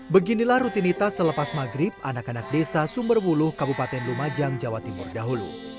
beginilah rutinitas selepas maghrib anak anak desa sumberwuluh kabupaten lumajang jawa timur dahulu